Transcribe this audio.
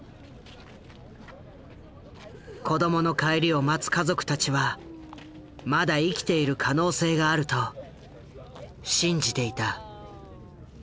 子どもの帰りを待つ家族たちはまだ生きている可能性があると信じていた。